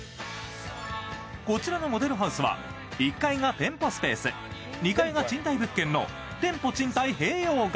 こちらのモデルハウスは１階が店舗スペース２階が賃貸物件の店舗賃貸併用型。